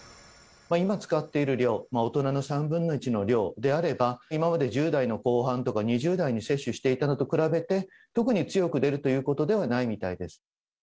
今使っている量、大人の３分の１の量であれば、今まで１０代の後半とか２０代に接種していたのと比べて、特に強く出るということではないみたいです。